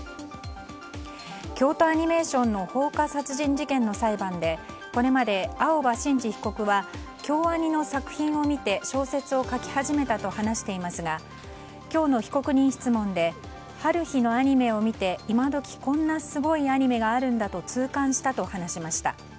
京都アニメーションの放火殺人事件の裁判でこれまで青葉真司被告は京アニの作品を見て小説を書き始めたと話していますが今日の被告人質問で「ハルヒ」のアニメを見て今時こんなすごいアニメがあるんだと痛感したと話しました。